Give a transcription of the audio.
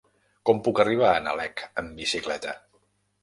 Com puc arribar a Nalec amb bicicleta?